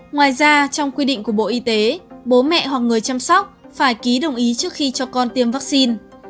ngoài ra trong quy định của bộ y tế bố mẹ hoặc người chăm sóc phải ký đồng ý trước khi cho con tiêm vaccine